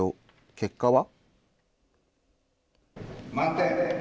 結果は？